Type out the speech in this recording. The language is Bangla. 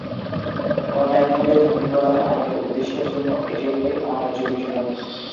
অন্যায়ভাবে ধনী করার আইনের উদ্দেশ্যের জন্য এটি একটি 'অন্যায্য বিষয়'।